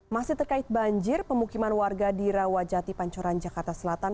masih terkait banjir pemukiman warga di rawajati pancoran jakarta selatan